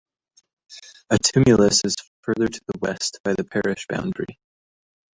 A tumulus is further to the west by the parish boundary.